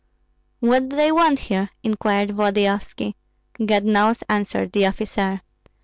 "What do they want here?" inquired Volodyovski. "God knows!" answered the officer.